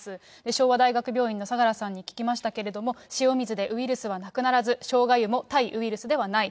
昭和大学病院の相良さんに聞きましたけれども、塩水でウイルスはなくならず、しょうが湯も対ウイルスではない。